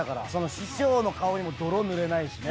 師匠の顔にも泥塗れないしね。